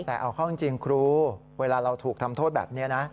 แต่เอาเข้าจริงครูเวลาเราถูกทำโทษแบบนี้นะ